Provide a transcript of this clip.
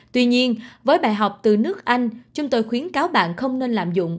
tuy nhiên với bài học từ nước anh chúng tôi khuyến cáo bạn không nên lạm dụng